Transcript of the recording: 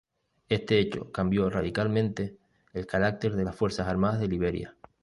Este hecho cambió radicalmente el carácter de las fuerzas armadas de Liberia.